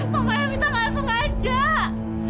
mama yang minta ngaku ngajak